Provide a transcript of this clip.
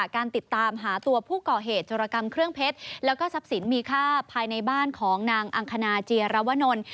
การติดตามหาตัวผู้ก่อเหตุจรกรรมเครื่องเพชรแล้วก็ทรัพย์สินมีค่าภายในบ้านของนางอังคณาเจียรวนล